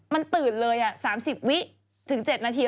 มันตื่นเลยอ่ะ๓๐วิถึง๗นาทีแรกเนี่ย